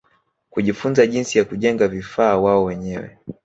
Kujifunza jinsi ya kujenga vifaa wao wenyewe